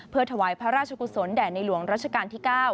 เพื่อถวายพระราชกุศลแด่ในหลวงรัชกาลที่๙